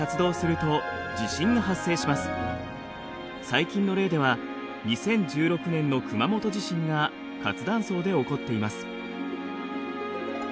最近の例では２０１６年の熊本地震が活断層で起こっています。